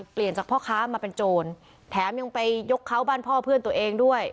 เปลี่ยนจากพ่อค้ามาเป็นโจรแถมยังไปยกเขาบ้านพ่อเพื่อนตัวเองด้วย